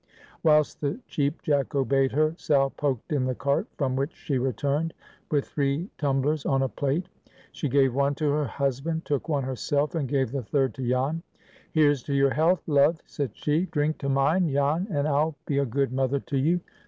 Whilst the Cheap Jack obeyed her, Sal poked in the cart, from which she returned with three tumblers on a plate. She gave one to her husband, took one herself, and gave the third to Jan. "Here's to your health, love," said she; "drink to mine, Jan, and I'll be a good mother to you."